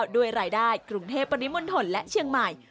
ด้วยรายได้กรุงเทพปริมณฑลและเชียงใหม่